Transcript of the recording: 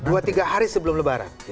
dua tiga hari sebelum lebaran